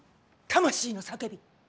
魂の叫び！